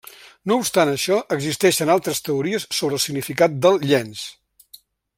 No obstant això, existeixen altres teories sobre el significat del llenç.